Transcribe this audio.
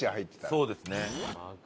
そうですね。